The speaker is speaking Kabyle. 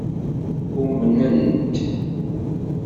Umnent?